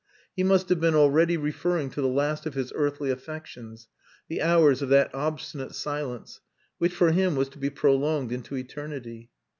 He must have been already referring to the last of his earthly affections, the hours of that obstinate silence, which for him was to be prolonged into eternity.